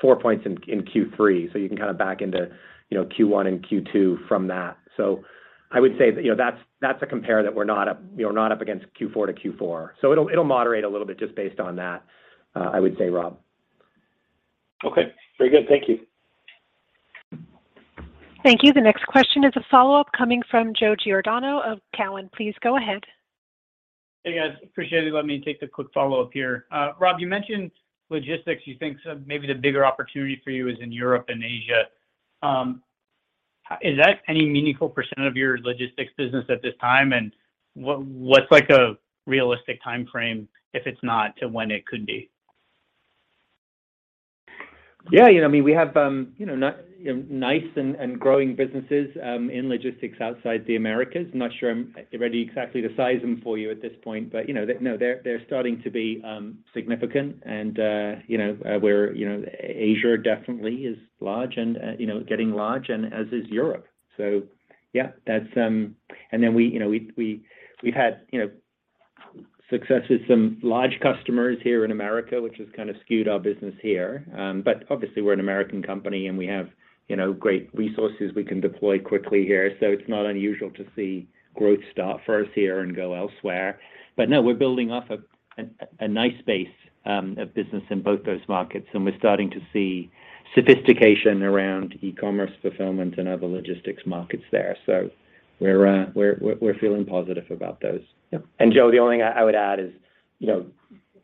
4 points in Q3. So you can kind of back into Q1 and Q2 from that. So I would say that that's a compare that we're not up against Q4-to-Q4. So it'll moderate a little bit just based on that, I would say, Rob. Okay. Very good. Thank you. Thank you. The next question is a follow-up coming from Joe Giordano of Cowen. Please go ahead. Hey, guys. Appreciate you letting me take the quick follow-up here. Rob, you mentioned logistics. You think maybe the bigger opportunity for you is in Europe and Asia. Is that any meaningful percent of your logistics business at this time? What's like a realistic timeframe, if it's not, to when it could be? Yeah, you know, I mean, we have, you know, nice and growing businesses in logistics outside the Americas. I'm not sure I'm ready exactly to size them for you at this point. You know, they're starting to be significant and, you know, we're, you know, Asia definitely is large and, you know, getting large and as is Europe. Yeah, that's. We, you know, we've had, you know, success with some large customers here in America, which has kind of skewed our business here. Obviously we're an American company, and we have, you know, great resources we can deploy quickly here. It's not unusual to see growth start for us here and go elsewhere. No, we're building off a nice base of business in both those markets, and we're starting to see sophistication around e-commerce fulfillment and other logistics markets there. We're feeling positive about those. Yeah. Joe, the only thing I would add is, you know,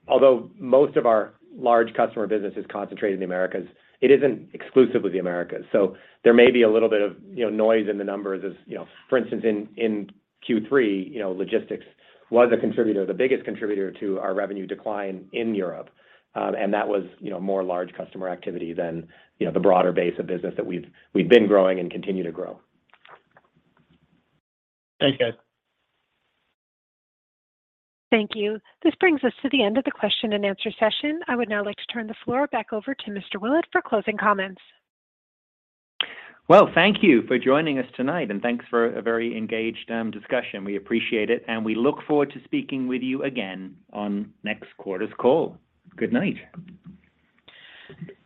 although most of our large customer business is concentrated in the Americas, it isn't exclusive with the Americas. So there may be a little bit of, you know, noise in the numbers as, you know. For instance, in Q3, you know, logistics was a contributor, the biggest contributor to our revenue decline in Europe. That was, you know, more large customer activity than, you know, the broader base of business that we've been growing and continue to grow. Thanks, guys. Thank you. This brings us to the end of the question-and-answer session. I would now like to turn the floor back over to Mr. Willett for closing comments. Well, thank you for joining us tonight, and thanks for a very engaged discussion. We appreciate it, and we look forward to speaking with you again on next quarter's call. Good night.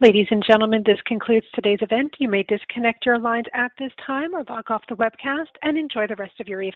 Ladies and gentlemen, this concludes today's event. You may disconnect your lines at this time or log off the webcast and enjoy the rest of your evening.